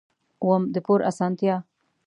اووم: د پور اسانتیا.